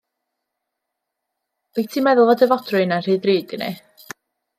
Wyt ti'n meddwl fod y fodrwy yna yn rhy ddrud i ni?